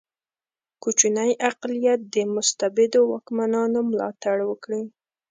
کوچنی اقلیت د مستبدو واکمنانو ملاتړ وکړي.